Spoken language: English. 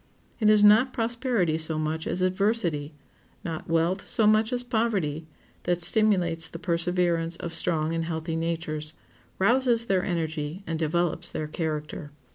It is not prosperity so much as adversity, not wealth so much as poverty, that stimulates the perseverance of strong and healthy natures, rouses their energy, and develops their character.